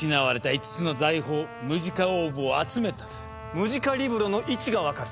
ムジカリブロの位置が分かる。